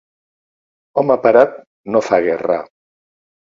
Home parat no fa guerra.